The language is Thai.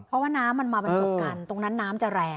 เพราะว่าน้ำมันมาบรรจบกันตรงนั้นน้ำจะแรง